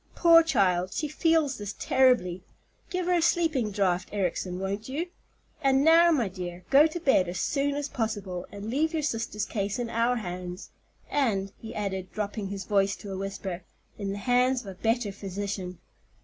"Poor child, she feels this terribly. Give her a sleeping draught, Ericson, won't you? And now, my dear, go to bed as soon as possible, and leave your sister's case in our hands, and," he added, dropping his voice to a whisper, "in the hands of a better Physician."